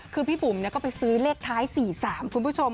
คือพี่บุ๋มก็ไปซื้อเลขท้าย๔๓คุณผู้ชม